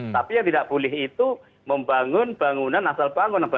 tapi yang tidak boleh itu membangun bangunan asal bangun